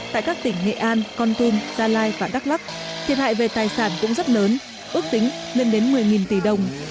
tại các tỉnh nghệ an con tum gia lai và đắk lắc thiệt hại về tài sản cũng rất lớn ước tính lên đến một mươi tỷ đồng